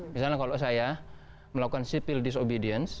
misalnya kalau saya melakukan sipil disobedience